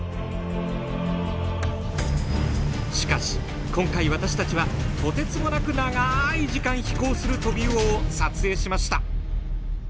しかし今回私たちはとてつもなく長い時間飛行するトビウオを撮影しました。